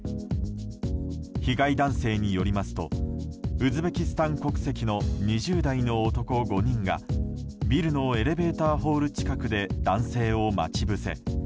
被害男性によりますとウズベキスタン国籍の２０代の男５人がビルのエレベーターホール近くで男性を待ち伏せ。